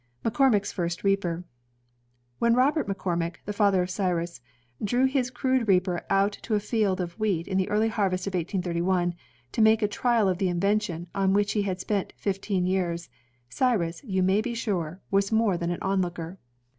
McCormick's First Reaper When Robert McCormick, the father of Cyrus, drew his crude reaper out to a field of wheat in the early harvest of 183 1, to make a trial of the invention on which he had spent fifteen years, Cyrus, you may be sure, was more than an onlooker.